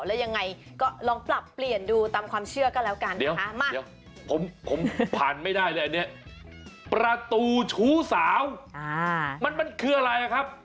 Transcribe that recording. แล้วยังไงก็ลองเปลี่ยนดูตามความเชื่อก็แล้วกันค่ะ